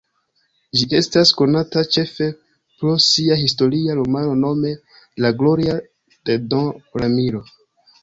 Ĝi estas konata ĉefe pro sia historia romano nome "La gloria de don Ramiro".